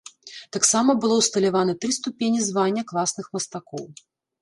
Таксама было ўсталяваны тры ступені звання класных мастакоў.